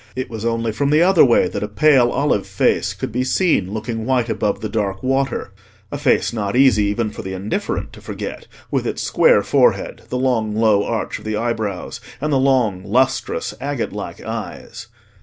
It was only from the other way that a pale olive face could be seen looking white above the dark water: a face not easy even for the indifferent to forget, with its square forehead, the long low arch of the eyebrows, and the long lustrous agate like eyes.